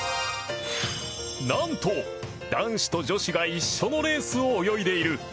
何と、男子と女子が一緒のレースを泳いでいる。